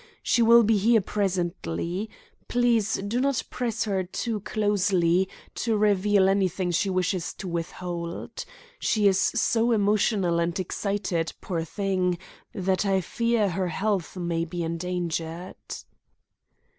She will be here presently. Please do not press her too closely to reveal anything she wishes to withhold. She is so emotional and excited, poor thing, that I fear her health may be endangered."